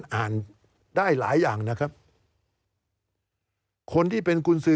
การเลือกตั้งครั้งนี้แน่